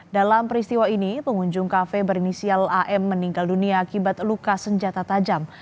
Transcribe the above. dalam peristiwa ini pengunjung kafe berinisial am meninggal dunia akibat luka senjata tajam